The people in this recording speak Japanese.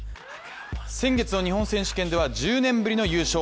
先月の日本選手権では１０年ぶりの優勝。